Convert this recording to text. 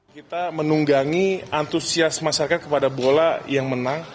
kita menunggangi antusias masyarakat kepada berat